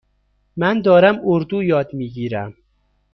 من دارم اردو یاد می گیرم.